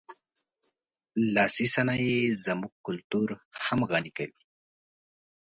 لاسي صنایع زموږ کلتور هم غني کوي.